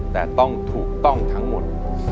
แต่ต้องถูกต้องทั้งหมด